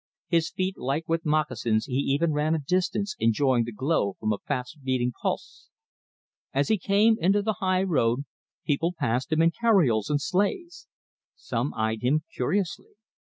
His feet light with moccasins, he even ran a distance, enjoying the glow from a fast beating pulse. As he came into the high road, people passed him in carioles and sleighs. Some eyed him curiously.